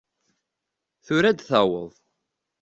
Tura ad d-taweḍ.